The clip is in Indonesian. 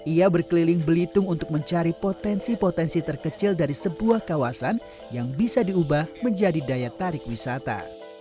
ia berkeliling belitung untuk mencari potensi potensi terkecil dari sebuah kawasan yang bisa diubah menjadi daya tarik wisata